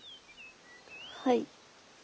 はい。